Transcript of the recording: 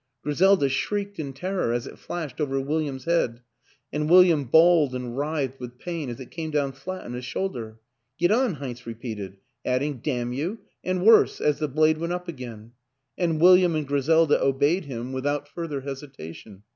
Gri selda shrieked in terror as it flashed over Wil liam's head and William bawled and writhed with pain as it came down flat on his shoulder. " Get on," Heinz repeated adding, " damn you !" and worse as the blade went up again ; and William and Griselda obeyed him without WILLIAM AN ENGLISHMAN 93 further hesitation.